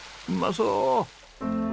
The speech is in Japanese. うまそう。